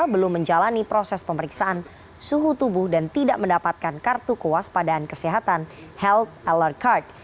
belum menjalani proses pemeriksaan suhu tubuh dan tidak mendapatkan kartu kuas padaan kesehatan health aler card